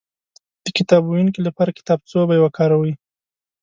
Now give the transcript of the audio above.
د کتاب ويونکي لپاره کتابڅوبی وکاروئ